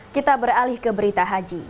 kita beralih ke berita haji